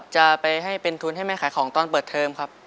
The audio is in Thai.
จะไปให้เป็นทุนให้แม่ขายของตอนเปิดเทอมครับ